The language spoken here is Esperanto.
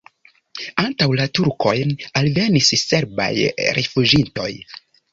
Antaŭ la turkojn alvenis serbaj rifuĝintoj.